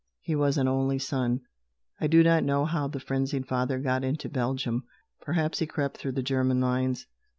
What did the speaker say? He was an only son. I do not know how the frenzied father got into Belgium. Perhaps he crept through the German lines.